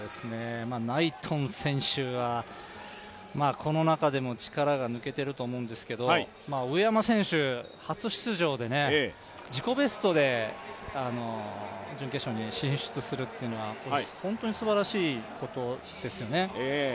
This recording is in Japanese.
ナイトン選手はこの中でも力が抜けていると思うんですけど上山選手、初出場で自己ベストで準決勝に進出するというのは本当にすばらしいことですよね。